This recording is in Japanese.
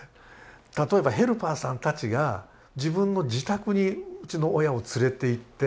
例えばヘルパーさんたちが自分の自宅にうちの親を連れていってパーティーやったり。